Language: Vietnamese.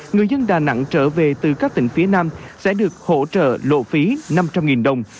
người dân đà nẵng trở về từ các tỉnh phía nam sẽ được hỗ trợ lộ phí năm trăm linh đồng